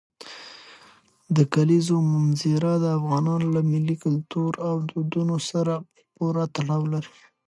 د کلیزو منظره د افغانانو له ملي کلتور او دودونو سره پوره تړاو لري.